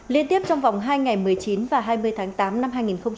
liên tiếp trong vòng hai ngày một mươi chín và hai mươi tháng tám năm hai nghìn hai mươi